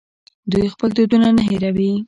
دوی خپل دودونه نه هیروي.